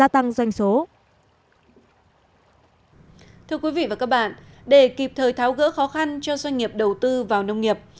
thưa quý vị và các bạn để kịp thời tháo gỡ khó khăn cho doanh nghiệp đầu tư vào nông nghiệp